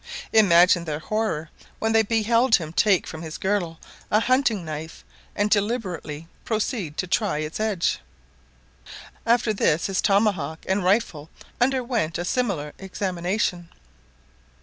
Imagine their horror when they beheld him take from his girdle a hunting knife, and deliberately proceed to try its edge. After this his tomahawk and rifle underwent a similar examination.